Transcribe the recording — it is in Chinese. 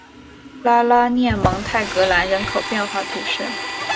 拉拉涅蒙泰格兰人口变化图示